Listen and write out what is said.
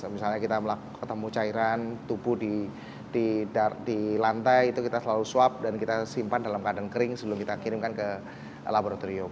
misalnya kita ketemu cairan tubuh di lantai itu kita selalu swab dan kita simpan dalam keadaan kering sebelum kita kirimkan ke laboratorium